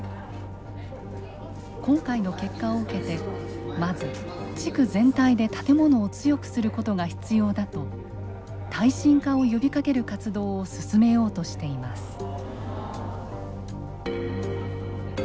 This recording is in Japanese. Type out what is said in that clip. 今回の結果を受けてまず地区全体で建物を強くすることが必要だと耐震化を呼びかける活動を進めようとしています。